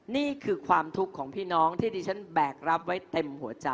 นี่คือความทุกข์ของพี่น้องที่ดิฉันแบกรับไว้เต็มหัวใจ